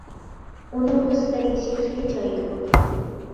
ئۇنىڭ بۇ سۈپەتلىشى خېلى جايىدا بولدى.